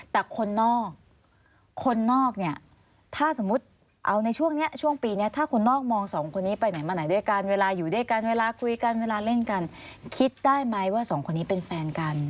แต่คนนอกคนนอกเนี่ยถ้าสมมุติเอาในช่วงนี้ช่วงปีนี้ถ้าคนนอกมองสองคนนี้ไปไหนมาไหนด้วยกันเวลาอยู่ด้วยกันเวลาคุยกันเวลาเล่นกันคิดได้ไหมว่าสองคนนี้เป็นแฟนกัน